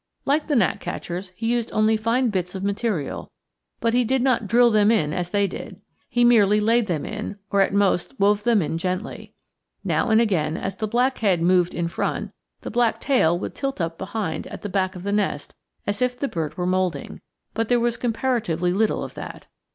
Like the gnatcatchers, he used only fine bits of material, but he did not drill them in as they did. He merely laid them in, or at most wove them in gently. Now and then, as the black head moved in front, the black tail would tilt up behind at the back of the nest as if the bird were moulding; but there was comparatively little of that.